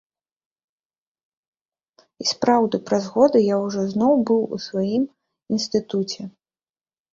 І сапраўды, праз год я ўжо зноў быў у сваім інстытуце.